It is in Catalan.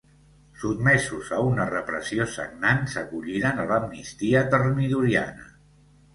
Sotmesos a una repressió sagnant, s'acolliren a l'amnistia termidoriana.